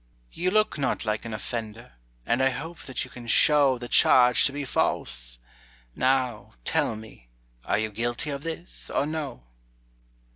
"You look not like an offender, And I hope that you can show The charge to be false. Now, tell me, Are you guilty of this, or no?"